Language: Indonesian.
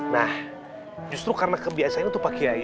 nah justru karena kebiasaan itu pak kiai